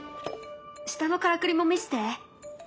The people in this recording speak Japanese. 下のからくりも見せて。